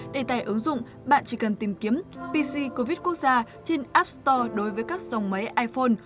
đề tài ứng dụng bạn chỉ cần tìm kiếm pc covid quốc gia trên app store đối với các dòng máy iphone